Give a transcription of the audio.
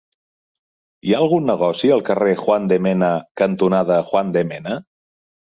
Hi ha algun negoci al carrer Juan de Mena cantonada Juan de Mena?